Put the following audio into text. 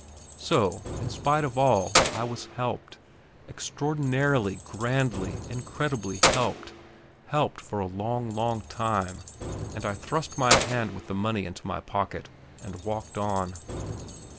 So, in spite of all, I was helped extraordinarily, grandly, incredibly helped helped for a long, long time; and I thrust my hand with the money into my pocket, and walked on.